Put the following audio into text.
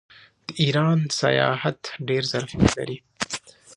د ایران سیاحت ډیر ظرفیت لري.